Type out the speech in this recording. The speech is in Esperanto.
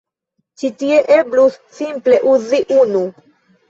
Ĉi tie eblus simple uzi unu.